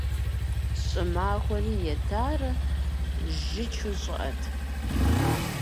Щӏымахуэри етарэ, жьычу щӏыӏэт.